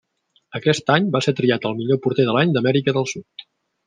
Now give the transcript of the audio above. Aquest any va ser triat el millor porter de l'any d'Amèrica del Sud.